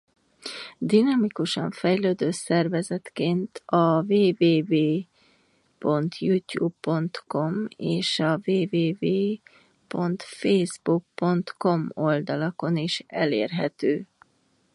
Dinamikusan fejlődő szervezetként a www.youtube.com és a www.facebook.com oldalakon is elérhető.